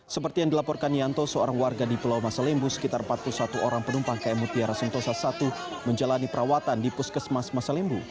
seperti yang dilaporkan yanto seorang warga di pulau masalimbu sekitar empat puluh satu orang penumpang km mutiara sentosa i menjalani perawatan di puskesmas masalimbu